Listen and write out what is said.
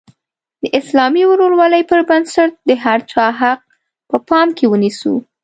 د اسلامي ورورولۍ پر بنسټ د هر چا حق په پام کې ونیسو.